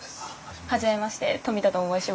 初めまして冨田と申します。